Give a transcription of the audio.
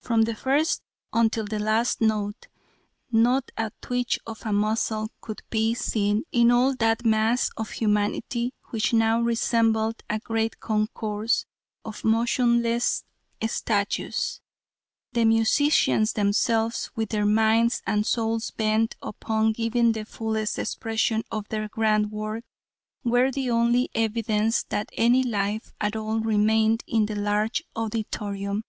From the first until the last note not a twitch of a muscle could be seen in all that mass of humanity, which now resembled a great concourse of motionless statues. The musicians themselves, with their minds and souls bent upon giving the fullest expression to their grand work, were the only evidence that any life at all remained in the large auditorium.